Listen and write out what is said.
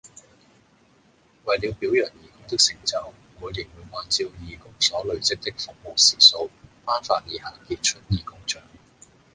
為了表揚義工的成就，每年會按照義工所累積的服務時數，頒發以下傑出義工獎